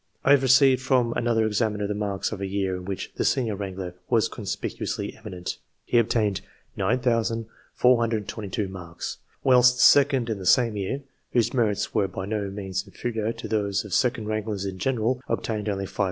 I have received from another examiner the marks of a year in which the senior wrangler was conspicuously eminent. He obtained 9,422 marks, whilst the second in the same year whose merits were by no means inferior to those of second wranglers in general obtained only 5,642.